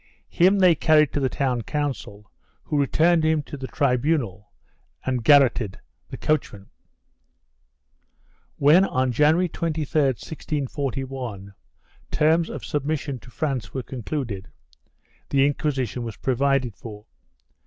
Him they carried to the town council who returned him to the tribunal and garroted the coachman.1 When, on January 23, 1641, terms of submission to France were concluded, the Inquisition was provided for.